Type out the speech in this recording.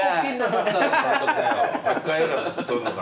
サッカー映画撮るのかなと。